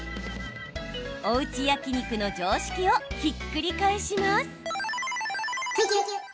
おうち焼き肉の常識をひっくり返します。